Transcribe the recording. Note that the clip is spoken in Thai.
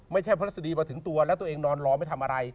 ไม่ใช่พฤศษฎีมาถึงตัวแล้วตัวเองนอนรอไม่ทำอะไร